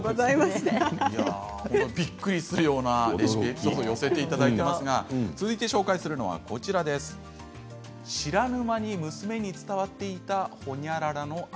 びっくりするようなエピソードを寄せていただいていますが続いて紹介するのは知らぬ間に娘に伝わっていたほにゃららの味。